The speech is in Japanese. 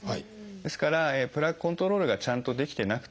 ですからプラークコントロールがちゃんとできてなくてですね